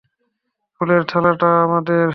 ফুলের থালাটা আমাদের।